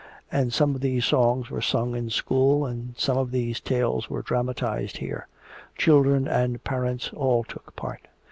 And some of these songs were sung in school, and some of these tales were dramatized here. Children and parents all took part.